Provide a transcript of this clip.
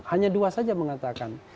hanya dua saja mengatakan